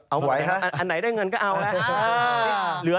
เอาไว้ฮะหลายได้เงินก็เอาแหละ